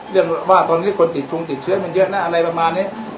เรื่องว่าตอนนี้คนติดชงติดเชื้อมันเยอะนะอะไรประมาณนี้